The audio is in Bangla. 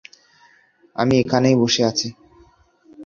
আমি এখানেই বসে আছি।